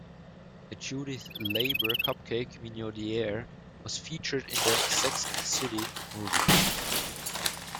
A Judith Leiber cupcake minaudiere was featured in the "Sex and the City" movie.